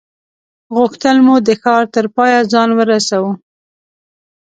غوښتل مو د ښار تر پایه ځان ورسوو.